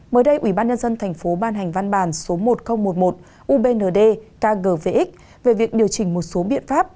mới đây ủy ban nhân dân thành phố ban hành văn bản số một nghìn một mươi một ubnd kg về việc điều chỉnh một số biện pháp